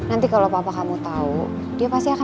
aku harus bantu dia ma please